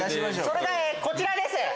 それがこちらです。